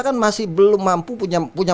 kan masih belum mampu punya